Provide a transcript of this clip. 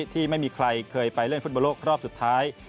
ที่ไม่มีใครเคยไปเล่นฟุตบอลโลกรอบสุดท้าย